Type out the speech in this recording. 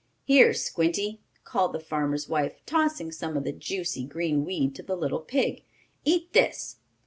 "Here, Squinty!" called the farmer's wife, tossing some of the juicy, green weed to the little pig. "Eat this!"